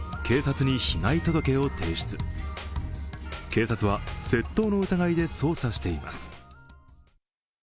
警察は窃盗の疑いで捜査しています。